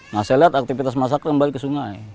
nah saya lihat aktivitas masak kembali ke sungai